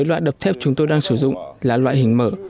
loại đập thép chúng tôi đang sử dụng là loại hình mở